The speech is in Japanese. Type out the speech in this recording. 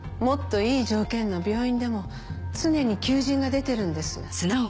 もっといい条件の病院でも常に求人が出てるんです。